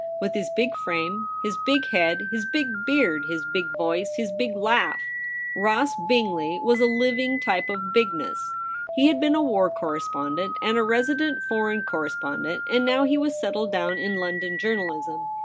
With his big frame, his big head, his big beard, his big voice, his big laugh, Ross Bingley was a living type of bigness. He had been a war correspondent and a resident foreign correspondent, and now he was settled down in London journalism.